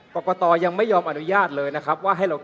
คุณเขตรัฐพยายามจะบอกว่าโอ้เลิกพูดเถอะประชาธิปไตย